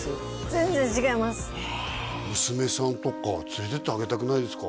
全然違います娘さんとか連れていってあげたくないですか？